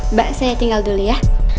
mbak saya tinggal dulu ya